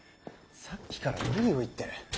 さっきから何を言ってる？